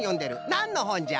なんのほんじゃ？